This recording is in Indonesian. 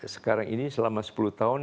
sekarang ini selama sepuluh tahun